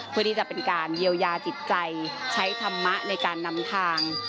เพื่อที่จะเป็นการเยียวยาจิตใจใช้ธรรมะในการนำทาง